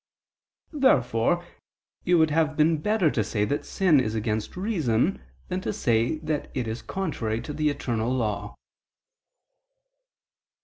Therefore it would have been better to say that sin is against reason than to say that it is contrary to the eternal law.